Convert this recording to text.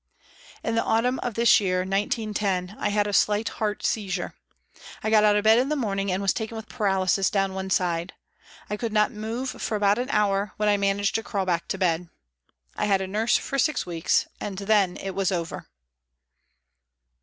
In the autumn of this year, 1910, I had a slight heart seizure. I got out of bed in the morning, and was taken with paralysis down one side. I could not move for about an hour, when I managed to crawl back to bed. I had a nurse for six weeks and then it was over.